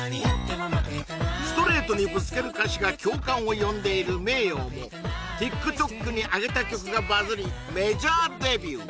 ストレートにぶつける歌詞が共感を呼んでいるｍｅｉｙｏもＴｉｋＴｏｋにあげた曲がバズりメジャーデビュー